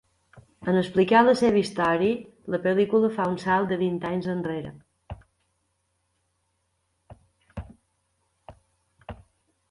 En explicar la seva història la pel·lícula fa un salt de vint anys enrere.